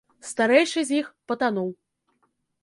Старэйшы з іх патануў.